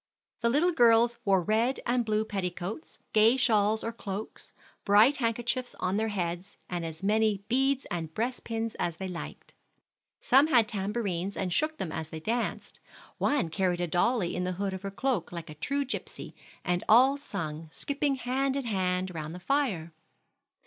The little girls wore red and blue petticoats, gay shawls or cloaks, bright handkerchiefs on their heads, and as many beads and breastpins as they liked. Some had tamborines, and shook them as they danced; one carried a dolly in the hood of her cloak like a true gypsy, and all sung, skipping hand in hand round the fire.